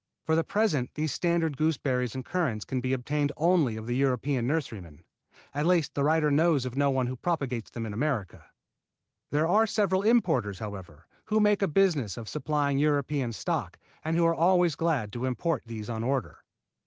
For the present these standard gooseberries and currants can be obtained only of the European nurserymen. At least the writer knows of no one who propagates them in America. There are several importers, however, who make a business of supplying European stock and who are always glad to import these on order.